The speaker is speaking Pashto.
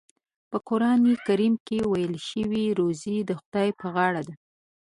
په قرآن کریم کې ویل شوي روزي د خدای په غاړه ده.